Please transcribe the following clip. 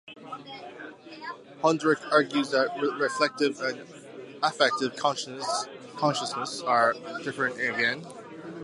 Honderich argues that reflective and affective consciousness are different again.